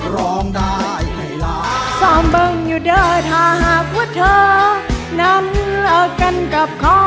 ร้องได้ให้ร้า